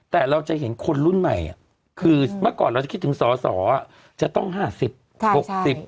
แต่เราจะเห็นคนรุ่นใหม่คือเมื่อก่อนเราจะคิดถึงสอสอจะต้องห้าสิบหกสิบ